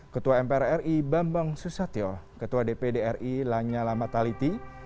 ketua mpr ri bambang susatyo ketua dpr ri lanya lamataliti